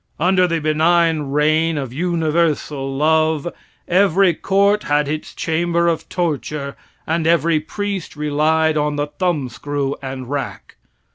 Under the benign reign of universal love, every court had its chamber of torture, and every priest relied on the thumbscrew and rack.